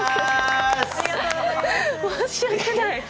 申し訳ないです